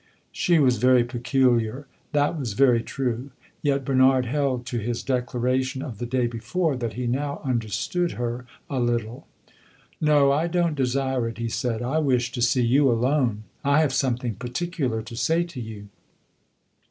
She was very peculiar that was very true; yet Bernard held to his declaration of the day before that he now understood her a little. "No, I don't desire it," he said. "I wish to see you alone; I have something particular to say to you."